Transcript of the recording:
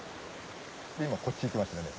今こっちに来ましたよね。